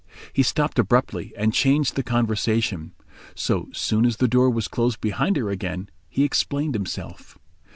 He stopped abruptly and changed the conversation. So soon as the door was closed behind her again, he explained himself.